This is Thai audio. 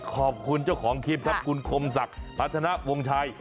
ขอบคุณเจ้าของคลิปครับคุณคมศักดิ์พัฒนาวงชัย